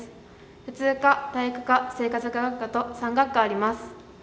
普通科、体育科、生活科学科と３学科あります。